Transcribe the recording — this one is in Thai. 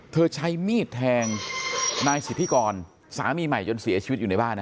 ใช้มีดแทงนายสิทธิกรสามีใหม่จนเสียชีวิตอยู่ในบ้านนะ